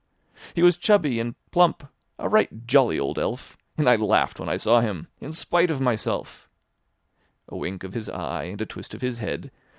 He was chubby and plump, a right jolly old elf. And I laughed when I saw him, in spite of myself; A wink of his eye and a twist of his head.